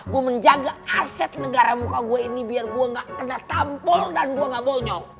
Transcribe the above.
gue menjaga aset negara muka gue ini biar gue gak kena tampul dan gue gak bonyok